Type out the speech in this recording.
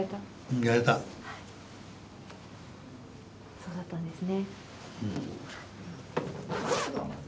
そうだったんですね。